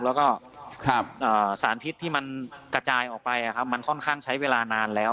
แล้วก็สารพิษที่มันกระจายออกไปมันค่อนข้างใช้เวลานานแล้ว